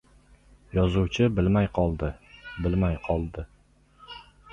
Yozuvchi bilmay qoldi, bilmay qoldi!